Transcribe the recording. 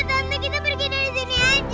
nanti kita pergi dari sini aja